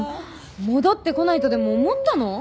戻ってこないとでも思ったの？